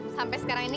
sampai sekarang ini